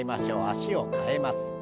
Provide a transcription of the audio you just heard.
脚を替えます。